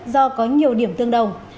do có nhiều điểm tương đồng